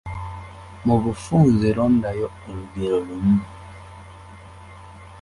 Mu bufunze londayo olugero lumu.